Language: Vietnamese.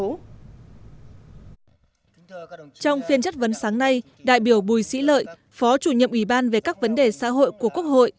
trong phiên chất vấn sáng nay đại biểu bùi sĩ lợi phó chủ nhiệm ủy ban về các vấn đề xã hội của quốc hội